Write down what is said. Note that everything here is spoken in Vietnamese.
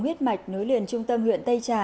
huyết mạch nối liền trung tâm huyện tây trà